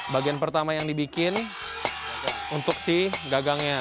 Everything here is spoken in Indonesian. bagian pertama yang dibikin untuk gagangnya